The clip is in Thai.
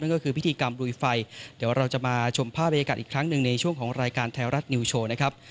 ก็คือพิธีกรรมลุยไฟเดี๋ยวเราจะมาชมภาพบรรยากาศอีกครั้งหนึ่งในช่วงของรายการไทยรัฐนิวโชว์นะครับ